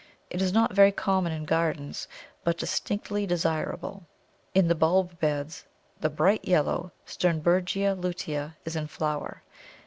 It is not very common in gardens, but distinctly desirable. In the bulb beds the bright yellow Sternbergia lutea is in flower.